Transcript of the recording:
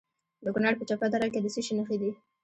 د کونړ په چپه دره کې د څه شي نښې دي؟